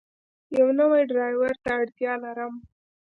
یو نوی ډرایور ته اړتیا لرم.